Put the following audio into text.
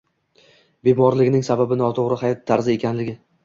Bemorligining sababi noto‘g‘ri hayot tarzi ekanligi